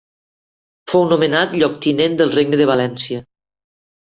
Fou nomenat Lloctinent del Regne de València.